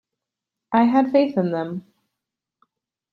I had faith in them.